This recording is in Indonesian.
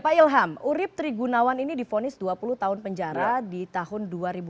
pak ilham urib trigunawan ini difonis dua puluh tahun penjara di tahun dua ribu enam belas